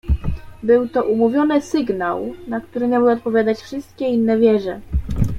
"Był to umówiony sygnał, na który miały odpowiadać wszystkie inne wieże."